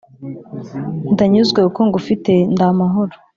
ndanyuzwe kuko ngufite ndi amahoro